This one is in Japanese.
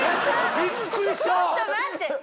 びっくりした！